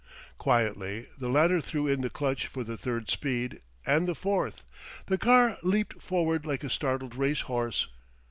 Quietly the latter threw in the clutch for the third speed and the fourth. The car leaped forward like a startled race horse.